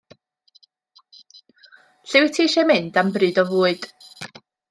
Lle wyt ti eisiau mynd am bryd o fwyd?